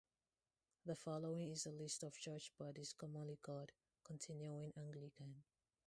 The following is a list of church bodies commonly called Continuing Anglican.